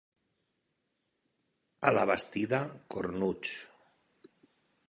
A la Bastida, cornuts.